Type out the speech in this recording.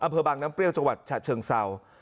อำเภอบางน้ำเปรี้ยวจังหวัดฉะเชิงเศร้า